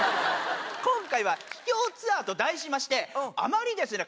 今回は「秘境ツアー」と題しましてあまりですね